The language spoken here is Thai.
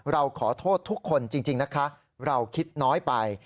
เราขอโทษทุกคนจริงนะคะเราคิดน้อยไป